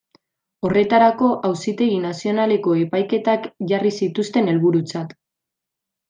Horretarako, Auzitegi Nazionaleko epaiketak jarri zituzten helburutzat.